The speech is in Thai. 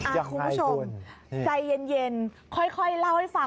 คุณผู้ชมใจเย็นค่อยเล่าให้ฟัง